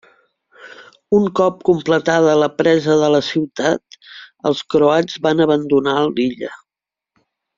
Un cop completada la presa de la ciutat, els croats van abandonar l'illa.